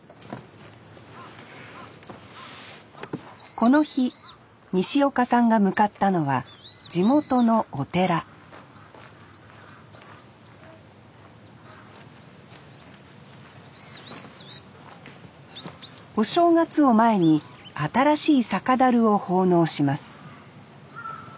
この日西岡さんが向かったのは地元のお寺お正月を前に新しい酒だるを奉納します